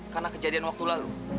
karena kejadian waktu lalu